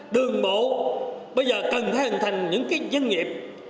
đường bộ bây giờ cần thành những dân nghiệp